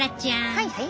はいはい。